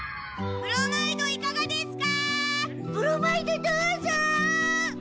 ブロマイドいかがですか？